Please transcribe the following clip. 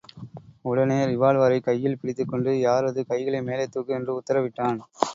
உடனே ரிவால்வரைக் கையில் பிடித்துக்கொண்டு, யாரது கைகளை மேலே தூக்கு என்று உத்தரவிட்டான்.